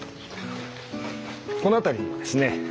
この辺りにもですね